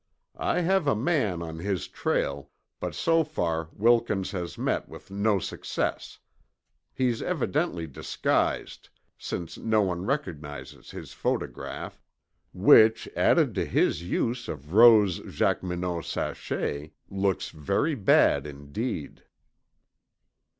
I have a man on his trail, but so far Wilkins has met with no success. He's evidently disguised, since no one recognizes his photograph, which, added to his use of Rose Jacqueminot sachet, looks very bad indeed."